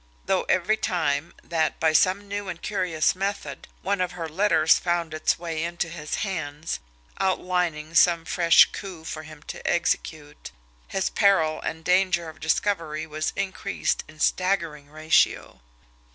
though every time, that, by some new and curious method, one of her letters found its way into his hands, outlining some fresh coup for him to execute, his peril and danger of discovery was increased in staggering ratio.